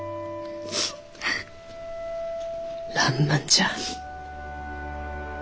らんまんじゃ。